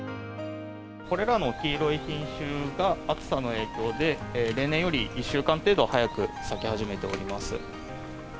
これらの黄色い品種が暑さの影響で、例年より１週間程度早く咲き始めております。